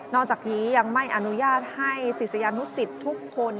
จากนี้ยังไม่อนุญาตให้ศิษยานุสิตทุกคน